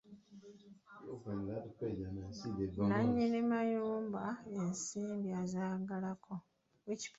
Nnannyini mayumba ensimbi azaagalako.